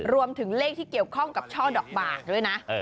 รวมถึงเลขที่เกี่ยวข้องกับช่อดอกบากด้วยนะ